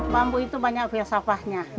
bambu itu banyak filsafahnya